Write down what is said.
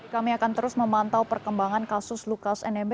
kami akan terus memantau perkembangan kasus lukas nmb